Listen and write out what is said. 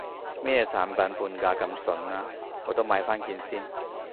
乜嘢產品半價咁筍啊，我都買返件先